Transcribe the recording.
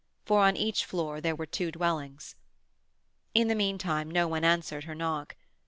—for on each floor there were two dwellings. In the meantime no one answered her knock.